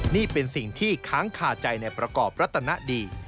นี่เป็นสิ่งที่ค้างคาใจในประกอบรัตนดี